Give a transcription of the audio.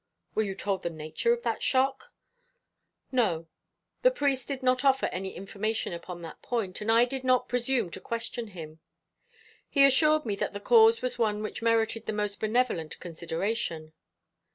"Were you told the nature of that shock?" "No; the priest did not offer any information upon that point, and I did not presume to question him. He assured me that the case was one which merited the most benevolent consideration.